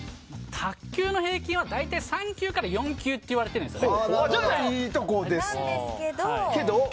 卓球の平均は大体３球から４球といわれているんですね。